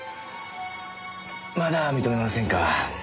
まだ認めませんか？